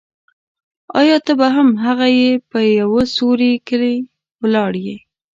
آیا ته به هم هغه یې په یو سیوري کې ولاړ یې.